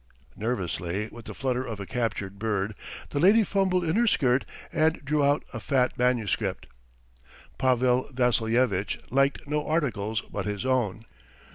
Nervously, with the flutter of a captured bird, the lady fumbled in her skirt and drew out a fat manuscript. Pavel Vassilyevitch liked no articles but his own.